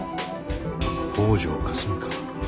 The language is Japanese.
「北條かすみ」か。